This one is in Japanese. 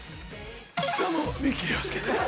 どうも美木良介です。